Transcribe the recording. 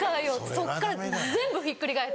そっから全部ひっくり返って。